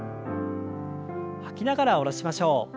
吐きながら下ろしましょう。